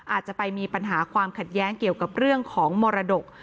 อาจจะไปมีปัญหาความขัดแย้งเกี่ยวกับเรื่องของมรดก